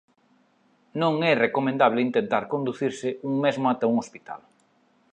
Non é recomendable intentar conducirse un mesmo ata un hospital.